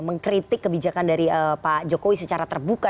mengkritik kebijakan dari pak jokowi secara terbuka